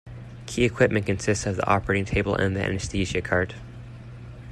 Key equipment consists of the operating table and the anesthesia cart.